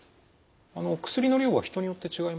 あの薬の量は人によって違いますか？